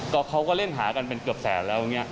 ก็เขาก็เล่นหากันเป็นเกือบแสนแล้วอย่างนี้